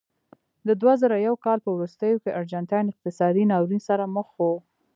د دوه زره یو کال په وروستیو کې ارجنټاین اقتصادي ناورین سره مخ و.